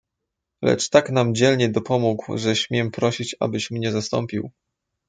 "Lecz tak nam dzielnie dopomógł, że śmiem prosić abyś mnie zastąpił."